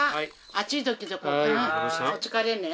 暑い時お疲れね。